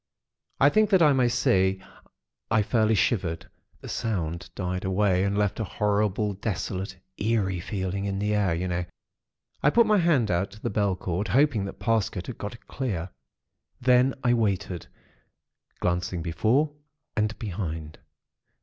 I think that I may say, I fairly shivered. The sound died away, and left a horrible, desolate, eerie feeling, in the air, you know. I put my hand out to the bell cord, hoping that Parsket had got it clear. Then I waited, glancing before and behind.